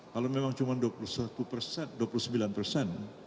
kalau memang cuma dua puluh satu persen dua puluh sembilan persen